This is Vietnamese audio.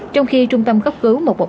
trong khi trung tâm cấp cứu một một năm